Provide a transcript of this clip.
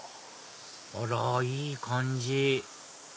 あらいい感じ